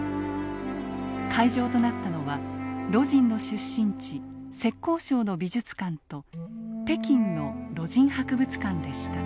会場となったのは魯迅の出身地浙江省の美術館と北京の魯迅博物館でした。